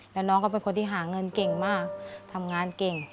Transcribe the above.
แล้วน้องก็เป็นคนที่หาเงินเก่งมากทำงานเก่ง